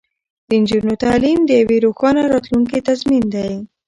د نجونو تعلیم د یوې روښانه راتلونکې تضمین دی.